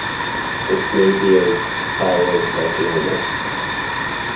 This may be a thyroid carcinoma.